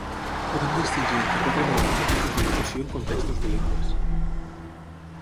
Podem distingir entre quatre models o tipus d'educació en contextos bilingües.